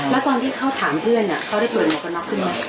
แล้วตอนที่เขาถามเพื่อนเขาได้เปิดหมวกกันน็อกขึ้นไหม